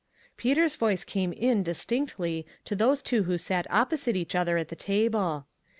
Peter's voice came in, distinctly, to those two who sat opposite each other at the table.